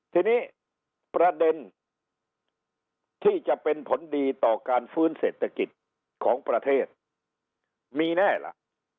ทีนี้ประเด็นที่จะเป็นผลดีต่อการฟื้นเศรษฐกิจของประเทศมีแน่ล่ะ